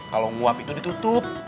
kalau nguap itu ditutup